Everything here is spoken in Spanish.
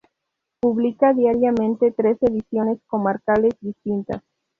Publica diariamente tres ediciones comarcales distintas.